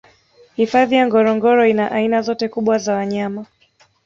hifadhi ya ngorongoro ina aina zote kubwa za wanyama